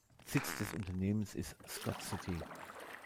Sitz des Unternehmens ist Scott City.